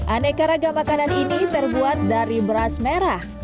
aneka ragam makanan ini terbuat dari beras merah